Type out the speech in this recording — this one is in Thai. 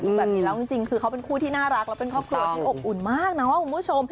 แบบนี้แล้วจริงคือเขาเป็นคู่ที่น่ารักและเป็นครอบครัวที่อบอุ่นมากนะว่าคุณผู้ชม